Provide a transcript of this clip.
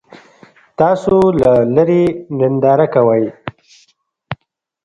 تاسو له لرې ننداره کوئ.